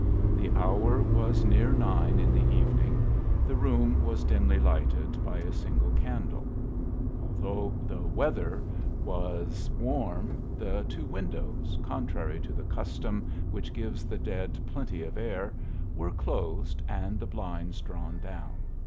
The hour was near nine in the evening; the room was dimly lighted by a single candle. Although the weather was warm, the two windows, contrary to the custom which gives the dead plenty of air, were closed and the blinds drawn down.